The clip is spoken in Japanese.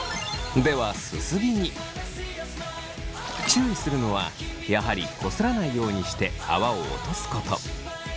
注意するのはやはりこすらないようにして泡を落とすこと。